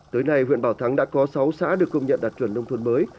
tới nay huyện bà thắng đã có sáu xã được công nhận đạt truyền nông thuần mới